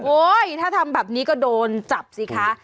ถ้าทำแบบนี้ก็โดนจับสิคะ